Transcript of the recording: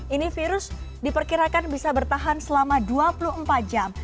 ini virus diperkirakan bisa bertahan selama dua puluh empat jam